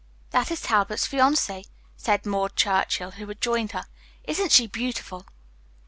"That is Talbot's fiancee," said Maud Churchill, who had joined her. "Isn't she beautiful?"